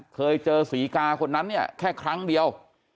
เคยเจอศรีกาคนนั้นเนี่ยแค่ครั้งเดียว